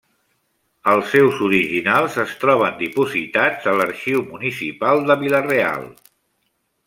Els seus originals es troben dipositats a l'Arxiu Municipal de Vila-real.